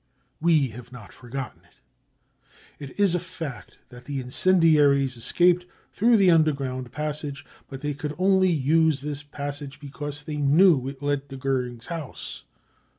We have not forgotten it. It is a fact that the incendiaries escaped through the underground passage, but they could only use this passage because they knew it led to Goering's house.